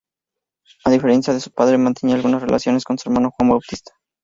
A diferencia de su padre, mantenía algunas relaciones con su hermano Juan Bautista.